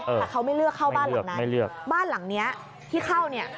แต่เขาไม่เลือกเข้าบ้านหลังนั้นไม่เลือกบ้านหลังเนี้ยที่เข้าเนี่ย